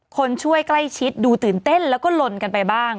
คนช่วยใกล้ชิดดูตื่นเต้นแล้วก็ลนกันไปบ้าง